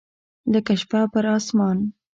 لکه شپه پر اسمان